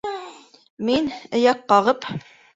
Мин, эйәк ҡағып: